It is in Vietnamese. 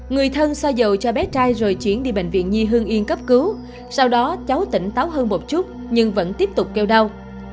người thân xoa dầu cho bé trai rồi chuyển đi bệnh viện nhi hương yên cấp cứu sau đó cháu tỉnh táo hơn một chút nhưng vẫn tiếp tục keo